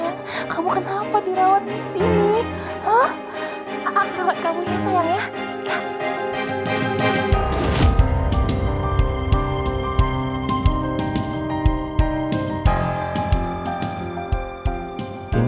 nah kamu kan e anthony